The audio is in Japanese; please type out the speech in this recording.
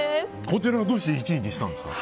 こちらはどうして１位にしたんですか？